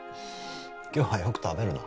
今日はよく食べるな